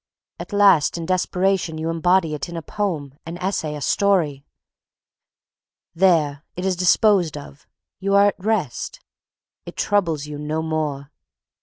At last in desperation you embody it in a poem, an essay, a story. There! it is disposed of. You are at rest. It troubles you no more.